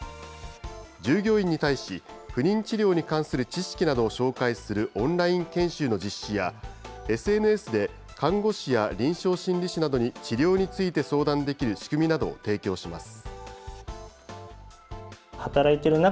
従業員に対し、不妊治療に関する知識などを紹介するオンライン研修の実施や、ＳＮＳで看護師や臨床心理士などに治療について相談できる仕組みなどを提供します。